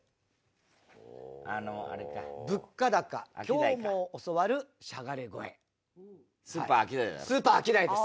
今日も教わるしゃがれ声」スーパーアキダイです。